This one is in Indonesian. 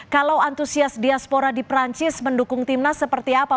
kalau antusias diaspora di perancis mendukung timnas seperti apa